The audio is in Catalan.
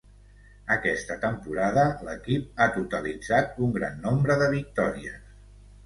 Aquesta temporada l'equip ha totalitzat un gran nombre de victòries.